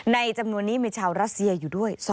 จำนวนนี้มีชาวรัสเซียอยู่ด้วย